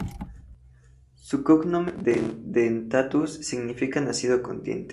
Su cognomen "Dentatus" significaba "nacido con dientes".